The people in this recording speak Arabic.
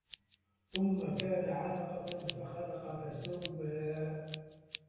ثُمَّ كانَ عَلَقَةً فَخَلَقَ فَسَوّى